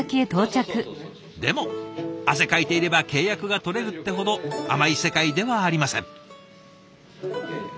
でも汗かいていれば契約が取れるってほど甘い世界ではありません。